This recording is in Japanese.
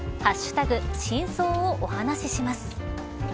真相をお話しします。